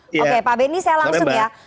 oke pak benny saya langsung ya